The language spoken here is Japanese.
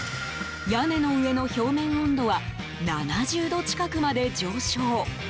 屋根の上の表面温度は７０度近くまで上昇。